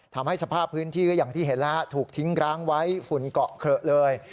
ทำให้สภาพพื้นที่ก็อย่างที่เห็นแล้วถูกทิ้งร้างไว้ฝุ่นเกาะเขละเลย